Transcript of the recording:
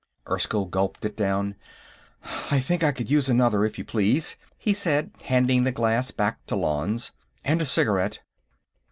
Erskyll gulped it down. "I think I could use another, if you please," he said, handing the glass back to Lanze. "And a cigarette."